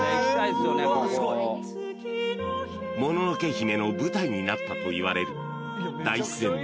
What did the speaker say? ［『もののけ姫』の舞台になったといわれる大自然の絶景ブルーとは］